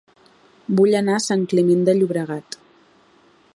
Vull anar a Sant Climent de Llobregat